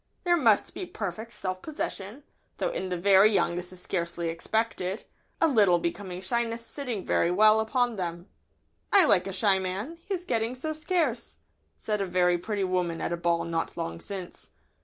There must be perfect self possession, though in the very young this is scarcely expected, a little becoming shyness sitting very well upon them. "I like a shy man. He's getting so scarce," said a very pretty woman at a ball not long since.